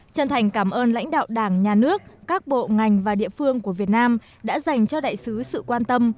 chân thành cảm ơn lãnh đạo đảng nhà nước các bộ ngành và địa phương của việt nam đã dành cho đại sứ sự quan tâm